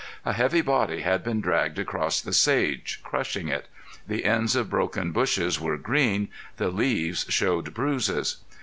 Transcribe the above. A heavy body had been dragged across the sage, crushing it. The ends of broken bushes were green, the leaves showed bruises.